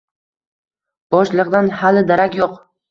Boshliqdan hali darak yo`q